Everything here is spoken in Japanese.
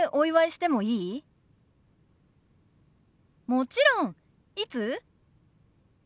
もちろん。いつ？